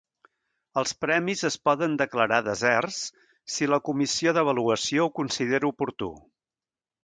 Els premis es poden declarar deserts si la comissió d'avaluació ho considera oportú.